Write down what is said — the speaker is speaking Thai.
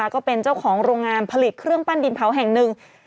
ก็เป็นเจ้าของโรงงานผลิตเครื่องปั้นดินเผาแห่งหนึ่ง